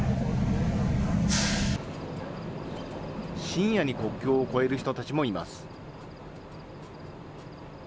深夜に国境を越える人たちもいます。